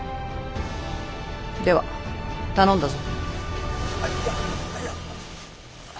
では頼んだぞ。